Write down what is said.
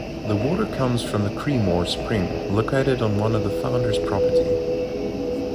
The water comes from the Creemore Spring located on one of the founder's property.